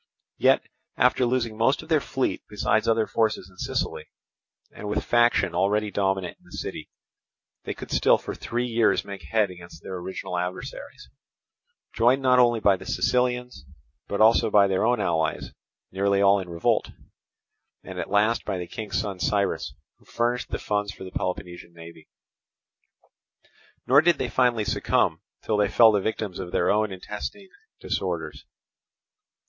Yet after losing most of their fleet besides other forces in Sicily, and with faction already dominant in the city, they could still for three years make head against their original adversaries, joined not only by the Sicilians, but also by their own allies nearly all in revolt, and at last by the King's son, Cyrus, who furnished the funds for the Peloponnesian navy. Nor did they finally succumb till they fell the victims of their own intestine disorders.